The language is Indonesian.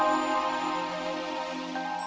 dia harus health dan lucu